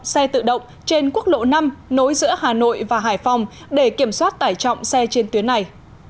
xe tự động trên quốc lộ năm nối giữa hà nội và hải phòng để kiểm soát tải trọng xe trên tuyến này